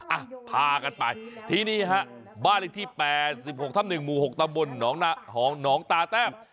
อ่ะพากันไปที่นี่ฮะบ้านเลขที่๘๖ทับ๑หมู่๖ตำบลหนองตาแต้ม